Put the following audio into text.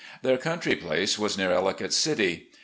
Their cotmtry place was near EUicott City.